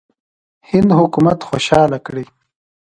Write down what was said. هند حکومت خوشاله کړي.